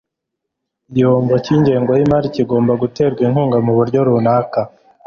Igihombo cyingengo yimari kigomba guterwa inkunga muburyo runaka.